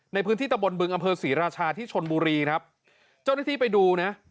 ในพื้นที่ตะบนบึงอำเภอศรีราชาที่ชนบุรีครับเจ้าหน้าที่ไปดูนะ